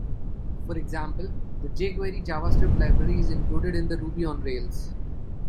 For example, the jQuery JavaScript library is included in Ruby on Rails.